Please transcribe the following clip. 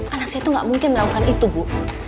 anak saya tuh gak mungkin merauhkan itu bu